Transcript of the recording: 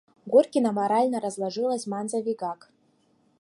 Горкина морально разложилась, манза вигак!